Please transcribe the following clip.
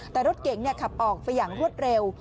แต่รถเก๋งขับออกไปอย่างรวดเร็ว